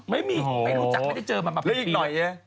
ไม่มีไม่รู้จักไม่ได้เจอมาปีแล้ว